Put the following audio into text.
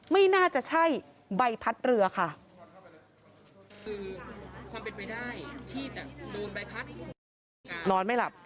ไม่น่าจะใช่ใบพัดเรือค่ะคือความเป็นไปได้ที่จะโดนใบพัดนอนไม่หลับ